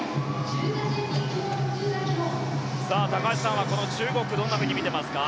高橋さんはこの中国どんなふうに見ていますか。